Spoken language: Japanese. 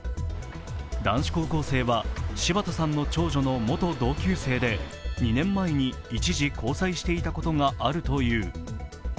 男子高校生は柴田さんの長女の元同級生で２年前に一時、交際していたことがあるという。